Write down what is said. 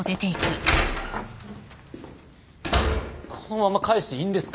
このまま帰していいんですか？